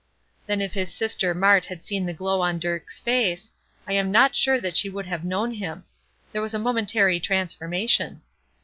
Then if his sister Mart had seen the glow on Dirk's face, I am not sure that she would have known him. There was a momentary transformation.